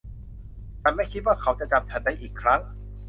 ฉันไม่คิดว่าเขาจะจำฉันได้อีกครั้ง